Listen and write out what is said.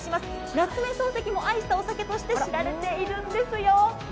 夏目漱石も愛したお酒として知られているんですよ。